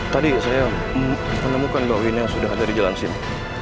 tadi saya menemukan bawina sudah ada di jalan sini